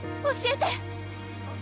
⁉教えて！